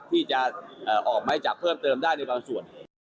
ที่จะออกไม้จับเพิ่มเติมได้ในบางส่วน